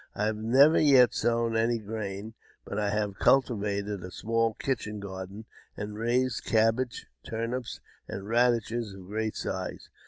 I have never yet sown any grain, but I have cultivated a small kitchen garden, and raised cabbages, turnips, and radishes of great size.